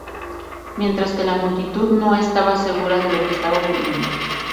Mientras que la multitud no estaba segura de lo que estaba ocurriendo.